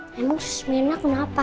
emang susmirna kenapa